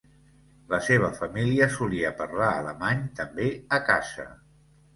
La seva família solia parlar alemany també a casa.